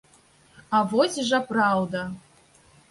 А вось жа праўда!